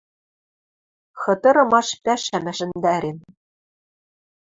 Хытырымаш пӓшӓм ӓшӹндӓрен.